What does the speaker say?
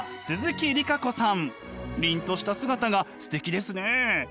凛とした姿がすてきですね。